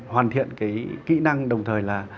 hoàn thiện kỹ năng đồng thời là